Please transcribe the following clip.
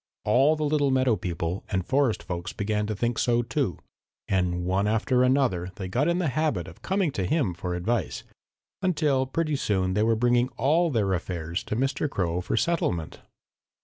All the little meadow people and forest folks began to think so, too, and one after another they got in the habit of coming to him for advice, until pretty soon they were bringing all their affairs to Mr. Crow for settlement.